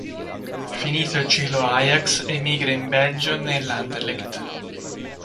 Finito il ciclo Ajax emigra in Belgio nell'Anderlecht.